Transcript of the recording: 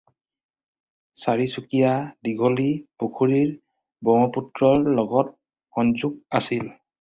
চাৰিচুকীয়া দীঘলী পুখুৰীৰ ব্ৰহ্মপুত্ৰৰ লগত সংযোগ আছিল।